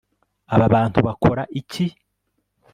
Aba bantu bakora iki